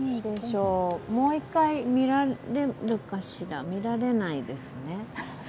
もう一回見られるかしら見られないですね。